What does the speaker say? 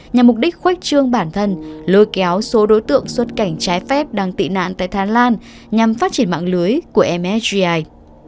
nhằm mục đích khoách trương bản thân lôi kéo số đối tượng xuất cảnh trái phép đang tị nạn tại thái lan nhằm phát triển mạng lưới của msgi